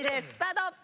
スタート。